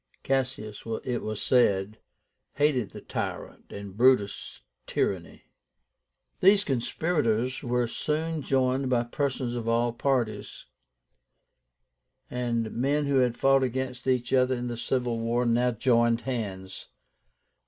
Cassius, it was said, hated the tyrant, and Brutus tyranny. These conspirators were soon joined by persons of all parties; and men who had fought against each other in the civil war now joined hands.